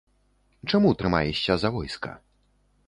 Чаму трымаешся за войска?